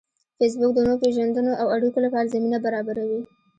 فېسبوک د نویو پیژندنو او اړیکو لپاره زمینه برابروي